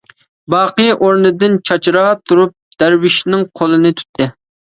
باقى ئورنىدىن چاچراپ تۇرۇپ، دەرۋىشنىڭ قولىنى تۇتتى.